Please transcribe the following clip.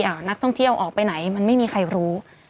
อาหารนักท่องเที่ยวออกไปไหนไม่มีใครรู้